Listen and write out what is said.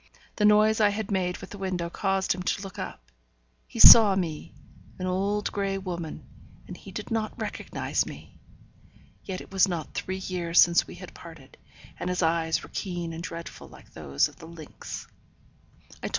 The noise I had made with the window caused him to look up; he saw me, an old grey woman, and he did not recognize me! Yet it was not three years since we had parted, and his eyes were keen and dreadful like those of the lynx. I told M.